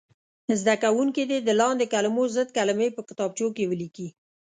زده کوونکي دې د لاندې کلمو ضد کلمې په کتابچو کې ولیکي.